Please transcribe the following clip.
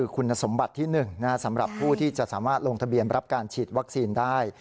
คุณสมบัติที่๑สำหรับผู้ที่จะสามารถลงทะเบียนรับการฉีดวัคซีนได้